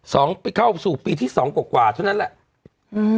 สองไปเข้าสู่ปีที่สองกว่ากว่าเท่านั้นแหละอืม